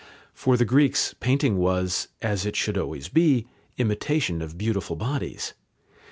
For the Greeks painting was, as it should always be, "imitation of beautiful bodies."